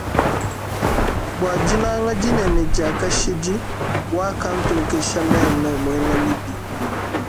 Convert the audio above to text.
Bwa dinanga dinene dia kashidi wakantokesha meme mwena mibi.